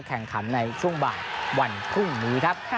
แข่งขันในช่วงบ่ายวันพรุ่งนี้ครับ